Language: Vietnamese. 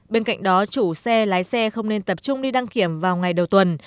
bên cạnh đó chủ xe lái xe không nên tập trung đi đăng kiểm vào ngày đầu tuần